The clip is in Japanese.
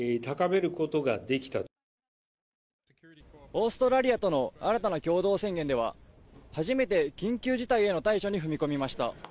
オーストラリアとの新たな共同宣言では初めて緊急事態への対処に踏み込みました。